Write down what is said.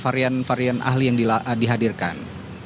varian varian ahli yang dihadirkan